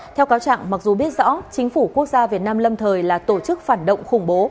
theo cáo trạng mặc dù biết rõ chính phủ quốc gia việt nam lâm thời là tổ chức phản động khủng bố